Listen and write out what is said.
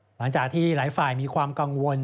หลังจากที่หลายฝ่ายมีความกังวล